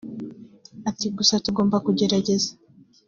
Ati "Gusa tugomba kugerageza